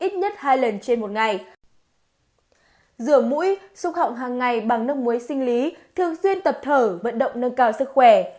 rửa mũi xúc họng hàng ngày bằng nước muối sinh lý thường xuyên tập thở vận động nâng cao sức khỏe